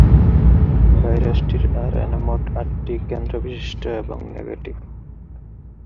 ভাইরাসটির RNA মোট আটটি খন্ড বিশিষ্ট এবং নেগেটিভ সেন্স।